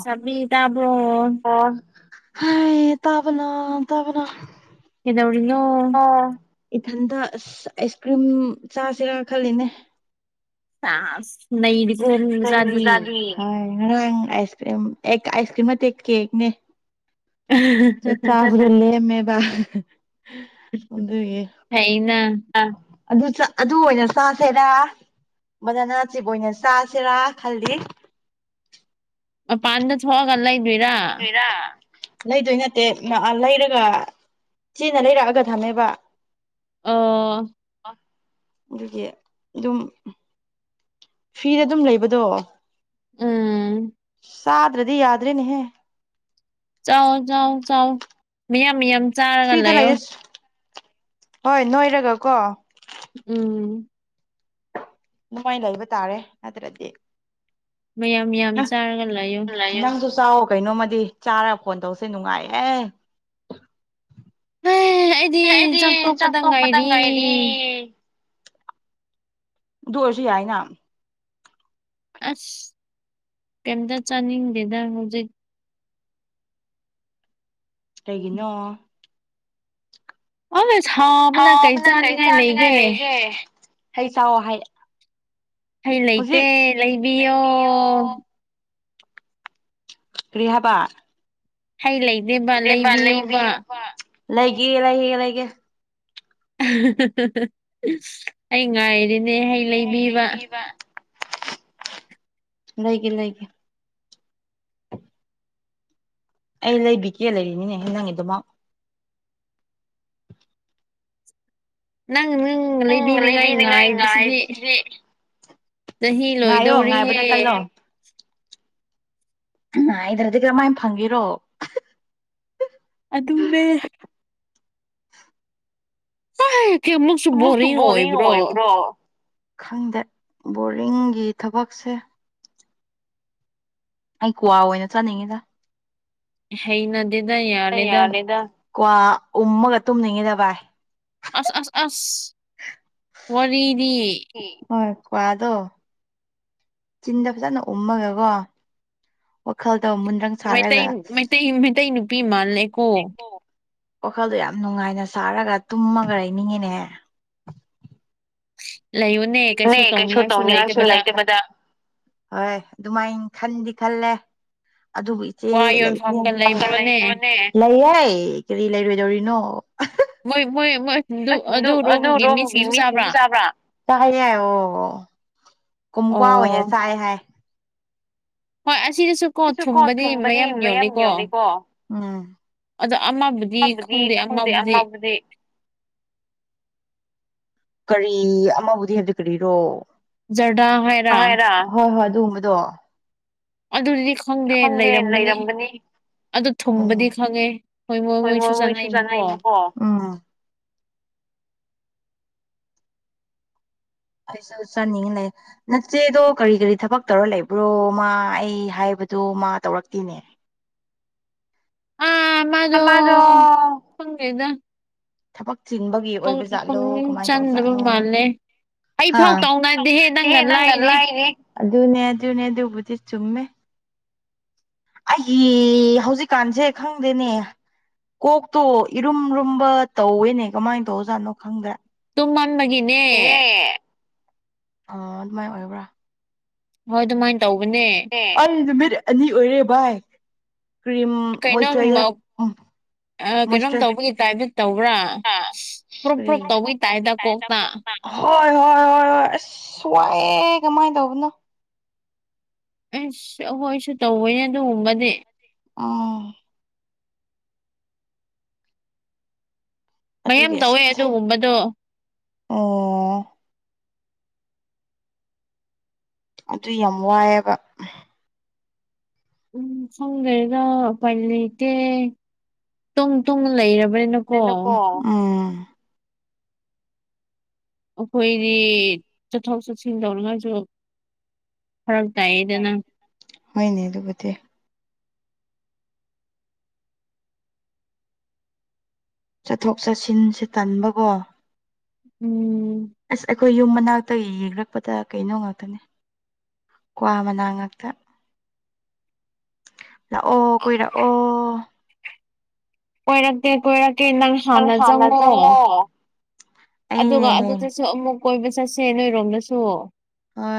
ꯆꯕꯤꯗꯕꯣ ꯍꯥꯏ ꯇꯥꯕꯅ ꯇꯥꯕꯅ ꯀꯩꯗꯧꯔꯤꯅꯣ ꯏꯊꯟꯇ ꯑꯁ ꯑꯥꯏꯁ ꯀ꯭ꯔꯤꯝ ꯆꯥꯁꯤꯔ ꯈꯜꯂꯤꯅꯦ ꯑ ꯑꯥꯏꯁꯀ꯭ꯔꯤꯝ ꯑꯦ ꯑꯥꯏꯁꯀ꯭ꯔꯤꯝ ꯃ ꯀꯦꯛꯅꯦ ꯆ ꯂꯦꯝꯃꯦꯕ ꯎꯗꯌꯦ ꯑꯗꯨ ꯑꯗꯨ ꯑꯣꯏꯅ ꯆꯥꯁꯦꯔ ꯃꯕꯅꯅꯥꯁꯤꯕ ꯑꯣꯏꯅ ꯆꯥꯁꯤꯔꯥ ꯈꯜꯂꯤ ꯄꯥꯟꯗ ꯊꯒꯂꯕꯤꯔ ꯂꯩꯗꯣꯏ ꯅꯠꯇꯦ ꯂꯩꯔꯒ ꯆꯦꯅ ꯂꯩꯔꯛꯑꯒ ꯊꯝꯃꯦꯕ ꯑꯣ ꯑꯗꯨꯒꯤ ꯑꯗꯨꯝ ꯐꯤꯗ ꯑꯗꯨꯝ ꯂꯩꯕꯗꯣ ꯎꯝ ꯆꯥꯗ꯭ꯔꯗꯤ ꯌꯥꯗ꯭ꯔꯦꯅꯦꯍꯦ ꯆꯥꯎꯥꯛ ꯆꯥꯎ ꯆꯥꯎ ꯃꯤꯌꯥꯝ ꯌꯥꯝꯌꯥꯝ ꯆꯥꯔꯒ ꯂꯩꯌꯣ ꯍꯣꯏ ꯅꯣꯏꯔꯒ ꯀꯣ ꯎꯝ ꯃꯥꯏꯅ ꯂꯩꯕ ꯇꯥꯔꯦ ꯅꯠꯇ꯭ꯔꯗꯤ ꯃꯌꯥꯝ ꯌꯥꯝ ꯆꯥꯔꯒ ꯂꯥꯛꯌꯣ ꯆꯥꯎ ꯀꯩꯅꯣꯝꯃꯗꯤ ꯆꯥꯔꯒ ꯐꯣꯟ ꯇꯧꯁꯦ ꯅꯨꯡꯉꯥꯏ ꯑꯦ ꯍ ꯑꯩꯗꯤ ꯆꯥꯛꯊꯣꯛꯄꯗ ꯉꯥꯏꯔꯤ ꯗꯣꯁꯤ ꯌꯥꯏꯅ ꯑꯁ ꯀꯩꯝꯇ ꯆꯥꯅꯤꯡꯗꯦꯗ ꯍꯧꯖꯤꯛ ꯀꯩꯒꯤꯅꯣ ꯊꯥꯎꯕꯅ ꯀꯔꯤ ꯆꯥꯅꯤꯡꯉꯥꯏ ꯂꯩꯒꯦ ꯍꯩ ꯁꯑꯣ ꯍꯥꯏ ꯍꯩ ꯂꯩꯇꯦ ꯂꯩꯕꯤꯌꯣ ꯔꯤꯍꯕ ꯏꯗꯦꯝꯕ ꯂꯩꯕꯤꯌꯨ ꯂꯩꯒꯦ ꯂꯩꯒꯒꯦ ꯂꯩꯒꯦ ꯑꯩ ꯉꯥꯏꯔꯤꯅꯦ ꯍꯩ ꯂꯩꯕꯤꯕ ꯂꯩꯒꯦ ꯂꯩꯒꯦ ꯑꯩ ꯂꯩꯕꯤꯒꯦ ꯂꯩꯔꯤꯅꯤꯅꯦ ꯅꯪꯉ ꯑꯗꯨꯃꯛ ꯅꯪ ꯅꯪ ꯂꯩꯕꯤꯅꯤꯉꯥꯏ ꯉꯥꯏꯕꯁꯤꯗꯤ ꯆꯍꯤ ꯂꯣꯏꯗꯧꯔꯤꯍꯦ ꯑ ꯑꯩꯗ꯭ꯔꯗꯤ ꯀꯔꯝꯍꯥꯏꯅ ꯐꯪꯈꯤꯔꯣ ꯑꯗꯨꯃꯦ ꯑꯃꯨꯛꯁꯨ ꯕꯣꯔꯤꯡ ꯑꯣꯏꯕ꯭ꯔꯣ ꯈꯪꯗꯦ ꯕꯣꯔꯤꯡꯒꯤ ꯊꯕꯛꯁꯦ ꯑꯩ ꯀ꯭ꯋꯥ ꯑꯣꯏꯅ ꯆꯠꯅꯤꯡꯉꯤꯗ ꯍꯩ ꯅꯗꯦꯗ ꯌꯥꯔꯦꯗ ꯀꯣ ꯎꯝꯃꯒ ꯇꯨꯝꯅꯤꯡꯉꯤꯗ ꯚꯥꯏ ꯑꯁ ꯑꯁ ꯑꯁ ꯋꯥꯔꯤꯗꯤ ꯍꯣꯏ ꯀꯋꯥꯗꯣ ꯆꯤꯟꯗ ꯐꯖꯅ ꯎꯝꯃꯒ ꯀꯣ ꯋꯥꯈꯜ ꯇ ꯃꯨꯟꯗꯪ ꯁꯥꯔꯒꯣ ꯋꯥꯈꯜꯗꯣ ꯌꯥꯝ ꯅꯨꯡꯉꯥꯏꯅ ꯁꯥꯔꯒ ꯇꯨꯝꯃꯒ ꯂꯩꯅꯤꯡꯉꯤꯅꯦ ꯅꯦ ꯀꯩꯁꯨ ꯇꯧꯅꯤꯡꯉꯥꯏꯁꯨ ꯂꯩꯇꯕꯗ ꯍ ꯑꯗꯨꯃꯥꯏꯅ ꯈꯟꯗꯤ ꯈꯜꯂꯦ ꯑꯗꯨꯕꯨ ꯏꯆꯦ ꯂꯩ ꯀ ꯀꯔꯤ ꯂꯩꯔꯣꯏꯗꯧꯔꯤꯅꯣ ꯋꯥꯣꯏ ꯑꯣꯏꯣꯏ ꯑ ꯑꯗꯨ ꯔꯣꯝꯒꯤ ꯃꯤꯁꯤꯡꯁꯨ ꯆꯥꯕ꯭ꯔꯥ ꯌꯥꯏ ꯑꯣ ꯀꯨꯨꯝꯀꯋꯥꯑꯣꯣꯏ ꯌꯥ ꯆꯥꯏ ꯍꯥꯏ ꯍꯣꯏ ꯑꯁꯤꯗꯁꯨ ꯀꯣ ꯊꯨꯝꯕꯗꯤ ꯃꯌꯥꯝ ꯌꯣꯜꯂꯤꯀꯣ ꯑꯃꯕꯨꯗꯤ ꯈꯪꯗꯦ ꯑꯃꯕꯨꯗꯤ ꯀꯔꯤ ꯑꯃꯕꯨꯗꯤ ꯍꯥꯏꯗꯤ ꯀꯔꯤꯔꯣ ꯍ ꯍꯣꯏ ꯑꯗꯨꯒꯣꯡꯕꯗꯣ ꯑꯗꯨꯗꯤ ꯈꯪꯗꯦ ꯂꯩꯔꯝꯒꯅꯤ ꯑꯗꯨ ꯊꯨꯝꯕꯗꯤ ꯈꯪꯉꯦ ꯍꯣꯏ ꯃꯣꯏ ꯃꯣꯏꯁꯨ ꯆꯥꯅꯩꯕꯀꯣ [unintelligible] ꯑꯩꯁꯨ ꯆꯥꯅꯤꯡꯉꯤ ꯂꯩ ꯅꯆꯦꯗꯣ ꯀꯔꯤ ꯀꯔꯤ ꯊꯕꯛ ꯇꯧꯔ ꯂꯩꯕ꯭ꯔꯣ ꯃꯥ ꯑꯩ ꯍꯥꯏꯕ ꯍꯥꯏꯕꯗꯨ ꯃꯥ ꯇꯧꯔꯛꯇꯤꯅꯦ [unintelligible] ꯑ ꯃꯥꯗꯨꯣ ꯐꯦꯗ ꯊꯕꯛ ꯆꯤꯟꯕꯒꯤ ꯑꯣꯏꯕ ꯥꯠꯂꯣ ꯀꯃꯥꯏꯅ ꯇꯧꯕꯖꯥꯠꯅꯣ ꯍꯥ ꯍꯦ ꯅꯪꯒꯜ ꯂꯑꯅꯦ ꯑꯗꯨꯅꯦ ꯑꯗꯨꯅꯦ ꯑꯗꯨꯕꯨꯗꯤ ꯆꯨꯝꯃꯦ ꯑꯩꯒꯤ ꯍꯧꯖꯤꯛꯀꯥꯟꯁꯦ ꯈꯪꯗꯦꯅꯦ ꯀꯣꯛꯇꯣ ꯏꯔꯨꯝ ꯔꯨꯝꯕ ꯇꯧꯋꯦꯅꯦ ꯀꯃꯥꯏꯅ ꯇꯧꯖꯥꯠꯅꯣ ꯈꯪꯗ꯭ꯔꯥ ꯇꯨꯝ ꯃꯟꯝꯕꯒꯤꯅꯦ ꯑ ꯑꯗꯨꯃꯥꯏꯅ ꯑꯣꯏꯔꯕ꯭ꯔꯥ ꯍ ꯑꯗꯨ ꯃꯥꯏ ꯑꯪ ꯅꯨꯃꯤꯠ ꯑꯅꯤ ꯑꯣꯏꯔꯦ ꯚꯥꯏ ꯀ꯭ꯔꯤꯝ ꯃꯣꯏꯁꯔꯥꯏꯖꯔ ꯎ [unintelligible] ꯍꯣꯏ ꯍꯣꯏ ꯍꯣꯏ ꯍꯣꯏ ꯑꯁ ꯋꯥꯏꯑꯦ ꯀꯃꯥꯏꯅ ꯇꯧꯕꯅꯣ ꯑꯁ ꯑꯩꯈꯣꯏꯁꯨ ꯇꯧꯕꯅꯦ ꯑꯗꯨꯒꯨꯝꯕꯗꯤ ꯑꯥ ꯃꯌꯥꯝ ꯇꯧꯋꯦ ꯑꯗꯨꯒꯨꯝꯕꯗꯣ ꯑꯗꯨ ꯌꯥꯝ ꯋꯥꯏꯑꯦꯕ ꯎꯝ ꯁꯝꯗꯩꯗꯄꯥꯏ ꯂꯩꯇꯦ ꯇꯨꯡ ꯇꯨꯡ ꯂꯩꯔꯕ ꯅ ꯀꯣ ꯎꯝ ꯈꯣꯏꯗꯤ ꯆꯊ ꯆ ꯁꯤꯤꯟꯗꯔꯉꯁꯨꯣ ꯐꯔꯛ ꯇꯥꯏꯌꯦꯗꯅ ꯆꯠꯊꯣꯛ ꯆꯠꯁꯤꯟꯁꯦ ꯇꯟꯕꯀꯣ ꯎꯝ ꯑ ꯑꯩꯈꯣꯏ ꯌꯨꯝ ꯃꯅꯥꯛꯇ ꯌꯦꯡꯈꯔꯛꯄꯗ ꯀꯩꯅꯣ ꯉꯥꯛꯇꯅꯦ ꯀ꯭ꯋꯥ ꯃꯅꯥ ꯉꯥꯛꯛꯇ ꯂꯥꯛ ꯑꯣ ꯀꯨꯏꯔ ꯑꯣ ꯀꯣꯏꯔꯛꯇꯀꯦ ꯀꯣꯏꯔꯛꯀꯦ ꯅꯪ ꯍꯥꯟꯅ ꯆꯪꯉꯣ ꯑꯗꯨꯒ ꯑꯗꯨꯗꯁꯨ ꯑꯃꯨꯛ ꯀꯣꯏꯕ ꯆꯠꯁꯦ ꯅꯣꯏꯔꯣꯝꯗꯁꯨ ꯍ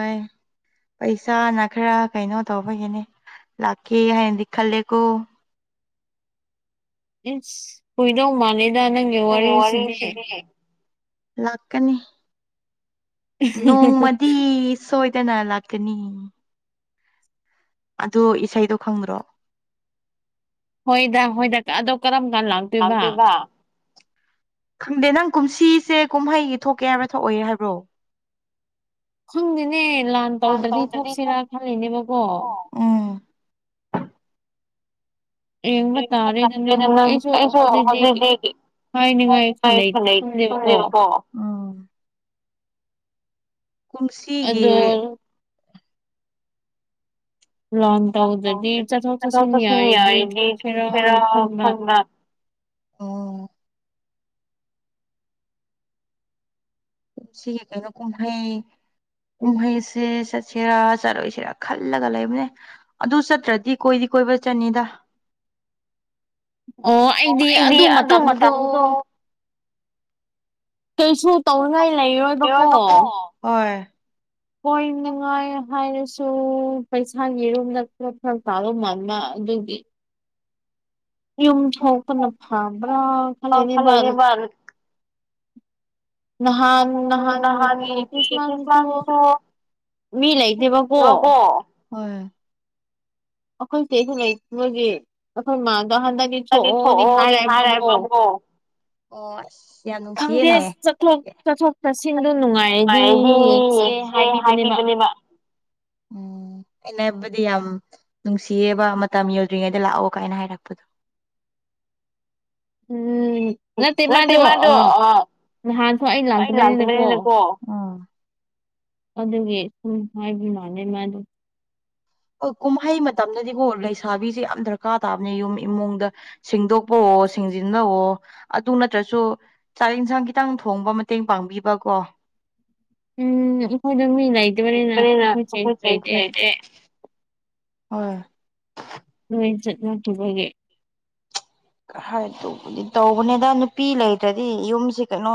ꯄꯩꯁꯥꯅ ꯈꯔ ꯀꯩꯅꯣ ꯇꯧꯕꯒꯤꯅꯦ ꯂꯥꯛꯀꯦ ꯍꯥꯏꯅꯗꯤ ꯈꯜꯂꯦꯀꯣ ꯏꯁ ꯀꯨꯏꯗꯧ ꯃꯥꯂꯦꯗ ꯅꯪꯒꯤ ꯋꯥꯔꯤꯁꯤꯗꯤ ꯂꯥꯛꯀꯅꯤ ꯅꯣꯡꯃꯗꯤ ꯁꯣꯏꯗꯅ ꯂꯥꯛꯀꯅꯤ ꯑꯗꯨ ꯏꯁꯩꯗꯣ ꯈꯪꯗ꯭ꯔꯣ ꯍꯣꯏꯗ ꯍꯣꯏꯗ ꯑꯗꯣ ꯀꯔꯝ ꯀꯥꯟ ꯂꯥꯛꯇꯣꯏꯕ ꯈꯪꯗꯦ ꯅꯪ ꯀꯨꯝꯁꯤꯁꯦ ꯀꯨꯝꯍꯩꯒꯤ ꯊꯣꯛꯀꯦ ꯍꯥꯏꯕ꯭ꯔꯥ ꯊꯣꯛꯑꯣꯏ ꯍꯥꯏꯕ꯭ꯔꯣ ꯈꯪꯗꯦꯅꯦ ꯂꯥꯟ ꯇꯧꯗ꯭ꯔꯗꯤ ꯊꯣꯛꯁꯤꯔꯥ ꯈꯜꯂꯤꯅꯦꯕꯀꯣ ꯅ ꯑꯩꯁꯨ ꯍꯧꯖꯤꯛꯗꯤ ꯐꯅꯩ ꯈꯪꯖꯦꯕꯀꯣ ꯎꯝ ꯀꯟꯁꯤꯒꯔ ꯂꯣꯟ ꯇꯧꯗ ꯗ ꯆ ꯊꯧ ꯆ ꯁꯤꯅꯤ ꯌꯥ ꯐꯔꯣ ꯊꯟ [inaudible] ꯁꯤ ꯀꯅ ꯀꯨꯝꯍꯩ ꯀꯨꯝꯍꯩꯁꯦ ꯁ ꯁꯦꯔꯥ ꯆꯠꯂꯣꯏ ꯁꯦꯔꯥ ꯈꯜꯂꯒ ꯂꯩꯕꯅꯦ ꯑꯗꯨ ꯆꯠꯇ꯭ꯔꯗꯤ ꯀꯣꯏꯗꯤ ꯀꯣꯏꯕ ꯆꯠꯅꯤꯗ [inaudible] ꯑꯣ ꯑꯩꯗꯤ ꯑꯗꯨ ꯃꯇꯝꯗꯣ ꯀꯩꯁꯨ ꯇꯧꯅꯤꯡꯉꯥꯏ ꯂꯩꯔꯣꯏꯕꯀꯣ ꯍꯣꯏ ꯅꯨꯡꯉꯥꯏ ꯍꯥꯏꯔꯁꯨ ꯄꯩꯁꯥ ꯌꯦꯔꯨꯝꯗ ꯇꯥꯂ ꯃꯜꯃ ꯑꯗꯨꯒꯤ ꯌꯨꯝ ꯊꯣꯛꯄꯅ ꯐꯕ꯭ꯔꯥ ꯈꯜꯂꯤꯅꯦ ꯃꯥꯅꯤ ꯅꯍꯥꯟ ꯅꯍꯥꯟ ꯀꯔꯤꯁꯃꯥꯁꯁꯨ ꯃꯤ ꯂꯩꯇꯦꯕꯀꯣ ꯍꯣꯏ ꯑꯈꯣꯏ ꯆꯈꯅꯈꯣꯏ ꯃꯥ ꯗꯣ ꯍꯟꯗꯛꯅꯤ ꯊꯣꯛꯑꯣꯅꯤ ꯍꯥꯏꯔꯦꯕꯕꯣ ꯈꯪꯗꯦꯁ ꯆꯠꯊꯣ ꯆꯠꯊꯣꯛ ꯍꯥꯏꯗꯤ ꯌꯦꯡꯁꯦ ꯍꯥꯏꯕꯤꯕꯅꯦꯕ ꯎꯝ ꯑꯩꯅ ꯍꯥꯏꯕꯨꯗꯤ ꯌꯥꯝ ꯅꯨꯡꯁꯤꯌꯦꯕ ꯃꯇꯝ ꯌꯧꯗ꯭ꯔꯤꯉꯩꯗ ꯂꯥꯛꯑꯣ ꯀꯥꯏꯅ ꯍꯥꯏꯔꯛꯄꯗꯣ [inaudible] ꯅ ꯇꯃꯗ ꯑ ꯋꯥ ꯂꯥꯛꯇꯕꯅꯤꯅꯀꯣ ꯎꯝ ꯑꯗꯨꯒꯤ ꯁꯨꯝ ꯍꯥꯏꯕ ꯃꯥꯅꯦ ꯃꯥ ꯑꯗꯨ ꯍ ꯀꯨꯝꯍꯩ ꯃꯇꯝꯗꯗꯤ ꯍꯣ ꯂꯩꯁꯥꯕꯤꯁꯦ ꯌꯥꯝ ꯗꯔꯀꯥꯔ ꯇꯥꯕꯅꯦ ꯌꯨꯝ ꯏꯃꯨꯡꯗ ꯁꯦꯡꯗꯣꯛꯄꯔ ꯑꯣ ꯁꯤꯡꯖꯤꯟꯅꯑꯣꯣ ꯑꯗꯨ ꯅꯠꯇ꯭ꯔꯁꯨ ꯆꯥꯛ ꯌꯦꯟꯁꯥꯡ ꯈꯤꯇꯪ ꯊꯣꯡꯕ ꯃꯇꯦꯡ ꯄꯥꯡꯕꯤꯕꯀꯣ ꯎꯝ ꯑꯩꯈꯣꯏꯗꯣ ꯃꯤ ꯂꯩꯇꯕꯅꯤꯅ ꯑꯩꯈꯣꯏ ꯆꯩ ꯂꯩꯇꯦ ꯍꯣꯏ ꯆꯠꯕꯒꯦ ꯇꯧꯕꯗꯤ ꯇꯧꯕꯅꯦꯗ ꯅꯨꯄꯤ ꯂꯩꯗ꯭ꯔꯗꯤ ꯌꯨꯝꯁꯤ ꯀꯩꯅꯣ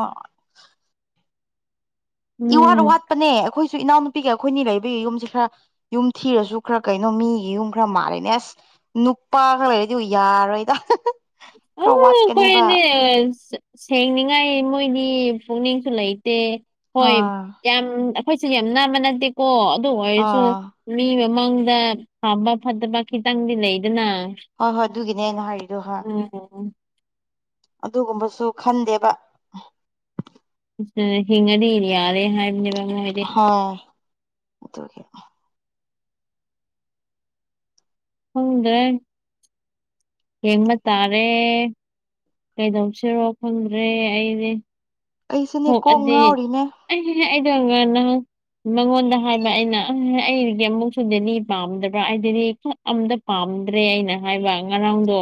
ꯏꯋꯥꯠ ꯋꯥꯠꯄꯅꯦ ꯑꯩꯈꯣꯏ ꯁ ꯏꯅꯥꯎꯅꯨꯄꯤꯒ ꯑꯩꯈꯣꯏꯅꯤ ꯂꯩꯕꯒꯤ ꯌꯨꯝꯁꯦ ꯈꯔ ꯌꯨꯝ ꯊꯤꯔꯁꯨ ꯈꯔ ꯀꯩꯅꯣ ꯃꯤꯒꯤ ꯌꯨꯝ ꯈꯔ ꯃꯥꯜꯂꯦꯅꯦ ꯑꯁ ꯅꯨꯄꯥ ꯈ ꯂꯩꯔꯗꯤ ꯌꯥꯔꯣꯏꯗ ꯑꯣ ꯀꯣꯏꯅꯤ ꯁꯦꯡꯅꯤꯡꯉꯥꯏ ꯃꯣꯏꯗꯤ ꯄꯨꯛꯅꯤꯡꯁꯨ ꯂꯩꯇꯦ ꯍꯣꯏ ꯌꯥꯝ ꯑꯩꯈꯣꯏꯁꯨ ꯌꯥꯝ ꯅꯥꯕ ꯅꯠꯇꯦꯀꯣ ꯑꯗꯨ ꯑꯣꯏꯔꯁꯨ ꯃꯤ ꯃꯃꯥꯡꯗ ꯐꯕ ꯐꯠꯇꯕ ꯈꯤꯇꯪꯗꯤ ꯂꯩꯗꯅ ꯍꯣꯏ ꯍꯣꯏ ꯑꯗꯨꯒꯤꯅꯦ ꯑꯩꯅ ꯍꯥꯏꯔꯤꯗꯣ ꯍꯣꯏ ꯑꯣ ꯑꯗꯨꯒꯨꯝꯕꯁꯨ ꯈꯟꯗꯦꯕ ꯍꯤꯡꯉꯗꯤ ꯌꯥꯔꯦ ꯍꯥꯏꯕꯅꯦꯕ ꯃꯣꯏꯗꯤ ꯍꯗ꯭ꯔꯦ ꯌꯦꯉꯃ ꯇꯥꯔꯦ ꯀꯩꯗꯧꯁꯤꯔꯣ ꯈꯪꯗ꯭ꯔꯦ ꯑꯩꯗꯤ ꯍ ꯑꯗꯨ ꯑꯩ ꯑꯩꯗꯥꯡ ꯅꯍꯥꯟ ꯃꯉꯣꯟꯗ ꯍꯥꯏꯕ ꯑꯩꯅ ꯑꯩꯒꯤ ꯑꯃꯨꯛꯁꯨ ꯗꯦꯅꯤ ꯄꯥꯝꯗꯕ꯭ꯔꯥ ꯑꯩ ꯗꯦꯗꯤ ꯑꯝꯇ ꯄꯥ ꯉꯝꯗ꯭ꯔꯦ ꯑꯩꯅ ꯍꯥꯏꯕ ꯉꯔꯥꯡꯗꯣ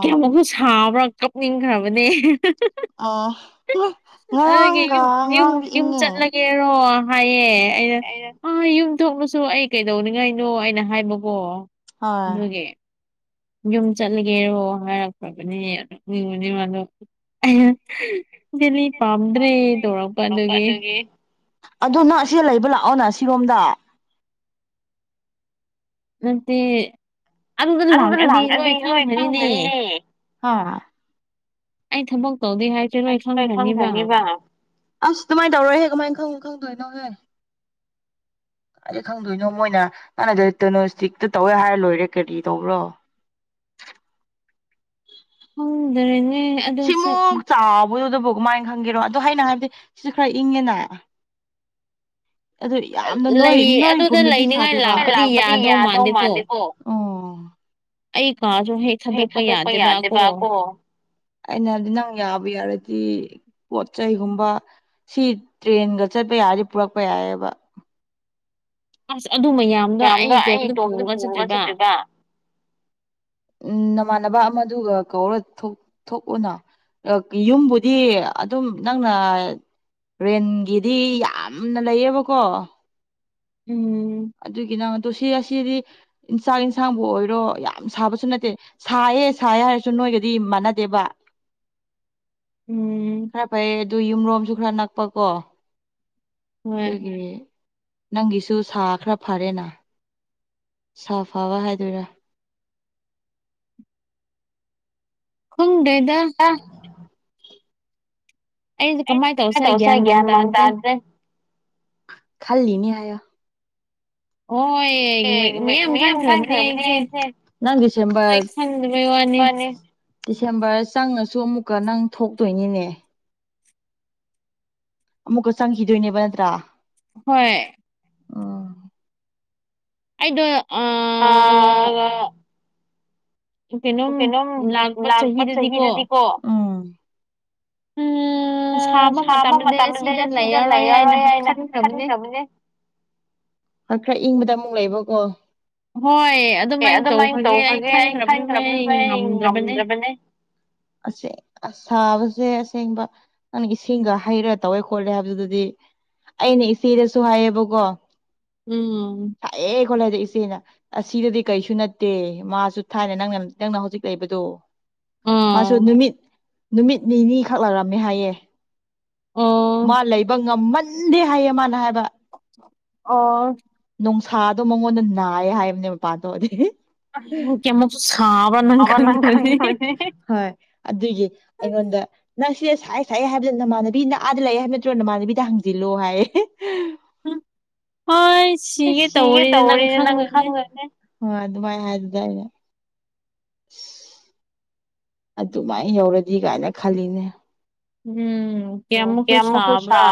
ꯀꯌꯥꯃꯨꯛꯁꯨ ꯁꯥꯕ꯭ꯔꯥ ꯀꯞꯅꯤꯡꯈ꯭ꯔꯕꯅꯦ ꯑꯗꯒꯤ ꯌ ꯌ ꯌꯨꯝ ꯆꯠꯂꯒꯦꯔꯣ ꯍꯥꯏꯌꯦ ꯑꯩꯅ ꯑꯥ ꯌꯨꯝ ꯊꯣꯛꯂꯨꯁꯨ ꯑꯩ ꯀꯩꯗꯧꯅꯤꯡꯉꯥꯏꯩꯅꯣ ꯑꯩꯅ ꯍꯥꯏꯕꯀꯣ ꯑꯗꯨꯦ ꯌꯨꯝ ꯆꯠꯂꯒꯦꯔꯣ ꯍꯥꯏꯔꯛꯈ꯭ꯔꯕꯅꯦ ꯑꯗꯨꯉꯅꯤꯗ ꯗꯦꯅꯤ ꯄꯥꯝꯗ꯭ꯔꯦ ꯇꯧꯔꯛꯀꯥꯟꯗꯨꯒꯤ ꯑꯗꯣ ꯅꯪ ꯁꯤ ꯂꯩꯕ ꯂꯥꯛꯑꯣꯅ ꯁꯤꯔꯣꯝꯗ ꯅꯠꯇꯦ ꯑꯗꯨꯗ ꯂꯥꯛꯑꯗꯤ ꯂꯣꯏ ꯈꯪꯈꯅꯤꯅꯦ ꯑ ꯑꯥꯏ ꯊꯃ ꯥꯏ ꯈꯪꯈ꯭ꯔꯅꯤꯕ ꯑꯁ ꯑꯗꯨꯃꯥꯏꯅ ꯇꯧꯔꯣꯏꯍꯦ ꯀꯃꯥꯏꯅ ꯈꯪ ꯈꯪꯗꯣꯏꯅꯣ [inaudible] [unintelligible] ꯀꯗꯤ ꯈꯪꯗꯣꯏꯅꯣ ꯃꯣꯏꯅ ꯅꯪꯅꯗ ꯇꯅꯣꯁꯇꯤꯛꯇ ꯇꯧꯋꯦ ꯍꯥꯏꯔ ꯂꯣꯏꯔꯦ ꯀꯔꯤ ꯇꯧꯕ꯭ꯔꯣ [unintelligible] [inaudible] ꯍꯗ ꯁꯤꯃꯨꯛ ꯆꯥꯎꯕꯗꯨꯗꯕꯨ ꯀꯃꯥꯏꯅ ꯈꯪꯒꯦꯔꯣ ꯑꯗꯣ ꯑꯩꯅ ꯍꯥꯏꯕꯗꯤ ꯁꯤꯁꯨ ꯈꯔ ꯏꯪꯉꯦꯅ ꯑꯗꯨ ꯌꯥꯝꯅ ꯅꯣꯏ ꯅꯣꯏꯒꯨꯝꯅꯗꯤ ꯁꯥꯗꯦꯕ ꯌꯥꯧꯥꯟꯦ ꯎꯝ ꯍꯦꯛ ꯊꯥꯗꯣꯛꯄ ꯌꯥꯗꯦꯕꯀꯣ ꯑꯩꯅꯗꯤ ꯅꯪ ꯌꯥꯕ ꯌꯥꯔ ꯗꯤ ꯄꯣꯠ ꯆꯩꯩꯒꯨꯝꯕ ꯁꯤ ꯇ꯭ꯔꯦꯟꯒ ꯆꯠꯄ ꯌꯥꯔꯦ ꯄꯨꯔꯛꯄ ꯌꯥꯏꯑꯕ ꯃꯗ ꯑꯩ ꯏꯇꯣꯝꯗ ꯄꯨꯔꯒ ꯆꯠꯇꯦꯗ ꯎ ꯏꯃꯥꯟꯅꯕ ꯑꯃꯗꯨꯒ ꯀꯧꯔ ꯊꯣꯛꯎꯅ ꯌꯨꯝꯕꯨꯗꯤ ꯑꯗꯨꯝ ꯅꯪꯅ ꯔꯦꯟꯒꯤꯗꯤ ꯌꯥꯝꯅ ꯂꯩꯌꯦꯕꯀꯣ ꯑꯗꯨꯒꯤ ꯅ ꯑꯗꯣ ꯁꯤ ꯑꯁꯤꯗꯤ ꯏꯟꯁꯥꯛ ꯌꯦꯟꯁꯥꯡꯕꯨ ꯑꯣꯏꯔꯣ ꯌꯥꯝ ꯁꯥꯕꯁꯨ ꯅꯠꯇꯦ ꯁꯥꯏꯌꯦ ꯁꯥꯏꯌꯦ ꯍꯥꯏꯔꯁꯨ ꯅꯣꯏꯒꯗꯤ ꯃꯥꯟꯅꯗꯦ ꯕ ꯎꯝ ꯈꯔ ꯐꯩ ꯑꯗꯨ ꯌꯨꯝꯔꯣꯝꯁꯨ ꯈꯔ ꯅꯛꯄꯀꯣ ꯑꯗꯨꯒꯤ ꯅꯪꯒꯤꯁꯨ ꯁꯥ ꯈ꯭ꯔ ꯐꯔꯦꯅ ꯁꯥ ꯐꯕ ꯍꯥꯏꯗꯣꯏꯔꯥ ꯈꯪꯗꯣꯏꯗ ꯭ꯌꯥ ꯃ ꯈ ꯍꯥꯏ [unintelligible] ꯑꯦ ꯃꯌꯥꯝ ꯈꯪꯈ꯭ꯔꯕꯅꯦ ꯑꯩꯁꯦ ꯅꯪꯒꯤ ꯁꯦꯝꯕ ꯗꯤꯁꯦꯝꯕꯔ ꯆꯪꯉꯁꯨ ꯑꯃꯨꯛꯀ ꯅꯪ ꯊꯣꯛꯇꯣꯏꯅꯤꯅꯦ ꯑꯃꯨꯛꯀ ꯆꯪꯈꯤꯗꯣꯏꯅꯦꯕ ꯅꯠꯇ꯭ꯔꯥ ꯍꯣꯏ ꯑꯩꯗ ꯑꯥ ꯀꯩꯅꯣꯝ ꯂꯥꯛꯄ ꯆꯍꯤꯗꯗꯤꯀꯣ ꯎꯝ ꯎꯝ ꯁꯥꯕ ꯃꯇꯝꯗꯗꯤ ꯑꯁꯤꯗ ꯂꯩꯔꯔꯣꯏ ꯍꯥꯏꯅ ꯈꯟꯈ꯭ꯔꯕꯅꯦ ꯈꯔ ꯏꯪꯕꯗ ꯑꯃꯨꯛ ꯂꯩꯕꯀꯣ ꯑꯦ ꯑꯗꯨꯃꯥꯏꯅ ꯇꯧꯈ꯭ꯔꯒꯦ ꯑꯩ ꯈꯥꯏꯈ꯭ꯔꯕꯅꯤ ꯃꯌꯦ ꯉꯝꯗ꯭ꯔꯕꯅꯦ ꯑꯁ ꯁꯥꯕꯁꯦ ꯑꯁꯦꯡꯕ ꯅꯪ ꯏꯁꯤꯡꯒ ꯍꯩꯔ ꯇꯧꯋꯦ ꯈꯣꯠꯂꯦ ꯍꯥꯏꯕꯗꯨꯗꯨꯗꯤ ꯑꯩꯅ ꯏꯆꯦꯗꯁꯨ ꯍꯥꯏꯌꯦꯕꯀꯣ ꯇꯌꯦ ꯈꯣꯂ ꯍꯥꯏꯗꯦ ꯏꯁꯤꯅ ꯑꯁꯤꯗꯗꯤ ꯀꯔꯤꯁꯨ ꯅꯠꯇꯦ ꯃꯥꯁꯨ ꯊꯥꯏꯅ ꯅꯪꯅ ꯅꯪꯅ ꯍꯧꯖꯤꯛ ꯂꯩꯕꯗꯣ ꯃꯥꯁꯨ ꯅꯨꯃꯤꯠ ꯅꯨꯃꯤꯠ ꯅꯤꯅꯤꯈꯛ ꯂꯩꯔꯝꯃꯦ ꯍꯥꯏꯌꯦ ꯃꯥ ꯂꯩꯕ ꯉꯝꯃꯟꯗꯦ ꯍꯥꯏꯌꯦ ꯃꯥꯅ ꯍꯥꯏ ꯑꯣ ꯁꯥꯗꯣ ꯃꯉꯣꯟꯗ ꯅꯥꯏꯌꯦ ꯍꯥꯏꯕꯅꯦ ꯃꯄꯥꯟꯗꯣꯗꯤ ꯍꯣꯏ ꯑꯗꯨꯒꯤ ꯑꯩꯉꯣꯟꯗ ꯅꯪ ꯁꯤꯦ ꯁꯥꯏꯦ ꯁꯥꯏꯦ ꯍꯥꯏꯕꯗ ꯅꯃꯥꯟꯅꯕꯤꯅ ꯑꯥꯗ ꯂꯥꯛꯑꯦ ꯍꯥꯏꯕ ꯅꯠꯇ꯭ꯔꯣ ꯅꯃꯥꯟꯅꯕꯤꯗ ꯍꯪꯖꯤꯜꯂꯣ ꯍꯥꯏꯌꯦ ꯁꯤꯒꯦ ꯇꯧꯔꯤꯅꯦ ꯅꯪ ꯈꯪꯉꯅꯦ ꯍ ꯑꯗꯨ ꯃꯥꯏ ꯍꯥꯏꯗꯒ ꯑꯗꯨꯃꯥꯏꯅ ꯌꯧꯔꯗꯤ ꯀꯥꯏꯅ ꯈꯜꯂꯤꯅꯦ ꯎꯝ ꯀꯃꯨꯁꯨ ꯁꯥꯕ꯭ꯔꯥ